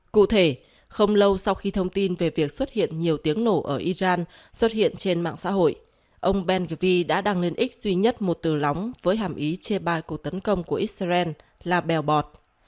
cụ thể không lâu sau khi thông tin về việc xuất hiện nhiều tiếng nổ ở iran xuất hiện trên mạng xã hội ông ben gv đã đăng lên x duy nhất một từ lóng với hàm ý chê bai cuộc tấn công của israel là bèo bọt